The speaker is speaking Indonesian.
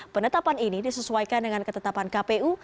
penetapan ini disesuaikan dengan ketetapan kpu